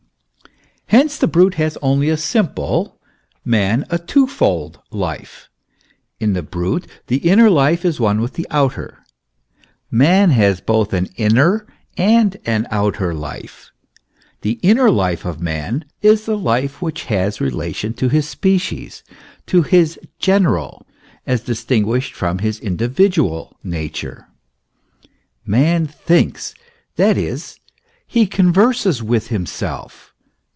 Hence the brute has only a simple, man a twofold life : in the brute, the inner life is one with the outer ; man has both an inner and an outer life. The inner life of man is the life which has relation to his species, to his general, as distinguished from his individual, nature. Man thinks that is, he converses with himself.